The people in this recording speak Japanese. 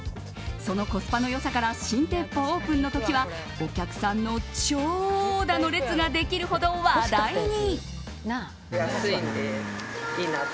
そのコスパの良さから新店舗オープンの時はお客さんの長蛇の列ができるほど話題に。